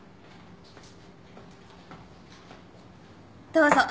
どうぞ。